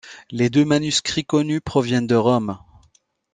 Les deux manuscrits connus proviennent de Rome.